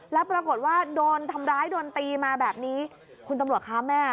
แล้วปรากฏว่าโดนทำร้ายโดนตีมาแบบนี้คุณตำรวจคะแม่